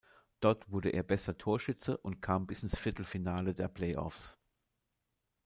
Dort wurde er bester Torschütze und kam bis ins Viertelfinale der Play-offs.